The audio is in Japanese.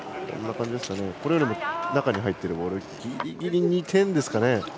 これより中に入っているボールでギリギリ２点ですかね。